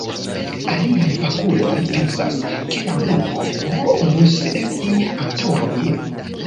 Aliaj fakuloj pensas, ke la nomo povus esti antaŭromia.